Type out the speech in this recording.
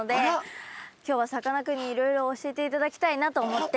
今日はさかなクンにいろいろ教えていただきたいなと思って。